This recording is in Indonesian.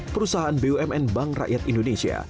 perusahaan bumn bank rakyat indonesia